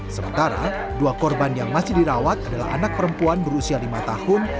sementara dua korban yang masih dirawat adalah anak perempuan berusia lima tahun